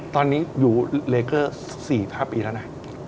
ตอนนี้อยู่เลเกอร์๔๕ปีแล้วนะ